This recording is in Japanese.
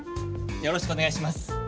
よろしくお願いします。